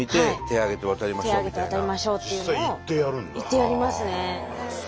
行ってやりますね。